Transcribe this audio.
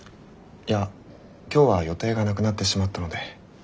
いや今日は予定がなくなってしまったので。